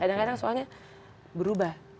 kadang kadang soalnya berubah